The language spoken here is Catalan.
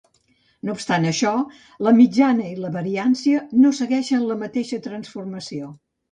No obstant això, la mitjana i la variància no segueixen la mateixa transformació.